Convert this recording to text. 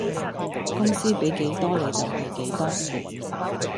公司比幾多你就係幾多